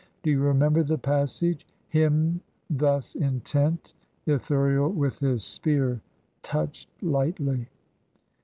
Do you remember the passage: 'Him thus intent Ithuriel with his spear touched lightly.'